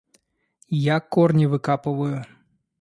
Я корни выкапываю.